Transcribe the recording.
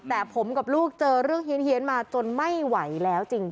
แต่ผมกับลูกเจอเรื่องเฮียนมาจนไม่ไหวแล้วจริง